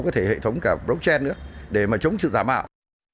có thể hệ thống cả blockchain nữa để mà chống sự giả mạo